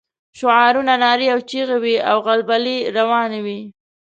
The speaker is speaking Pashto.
شعارونه، نارې او چيغې وې او غلبلې روانې وې.